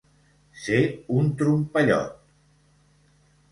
Ser un trompellot.